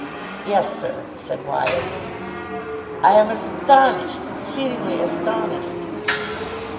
"Yes, sir," said Wyatt. "I am astonished. Exceedingly astonished."